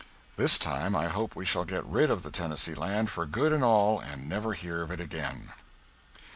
This time I hope we shall get rid of the Tennessee land for good and all and never hear of it again.